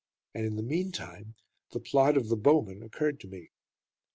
And in the meantime the plot of "The Bowmen" occurred to me.